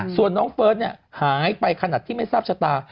ส่วนน้องเฟิร์สหายไปขนาดที่ไม่ทราบชะตา